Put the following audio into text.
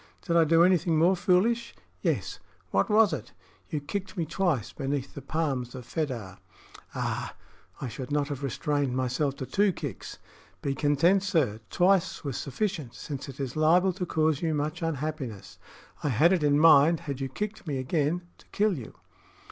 "Did I do anything more foolish?" "Yes." "What was it?" "You kicked me twice beneath the palms of Fedah." "Ah! I should not have restrained myself to two kicks." "Be content, sir. Twice was sufficient, since it is liable to cause you much unhappiness. I had it in mind, had you kicked me again, to kill you."